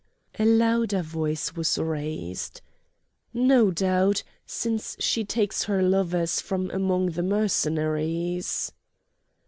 A louder voice was raised: "No doubt, since she takes her lovers from among the Mercenaries!"